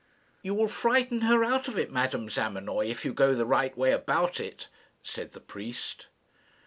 "You will frighten her out of it, Madame Zamenoy, if you go the right way about it," said the priest.